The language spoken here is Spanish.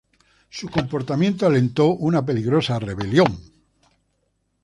Su comportamiento alentó una peligrosa rebelión.